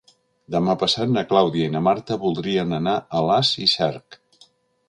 Demà passat na Clàudia i na Marta voldrien anar a Alàs i Cerc.